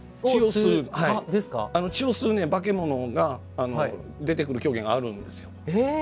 血を吸う化け物が出てくる狂言があるんですよ。